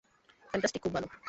Fantastic, খুব ভালো।